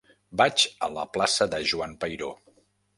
Vaig a la plaça de Joan Peiró.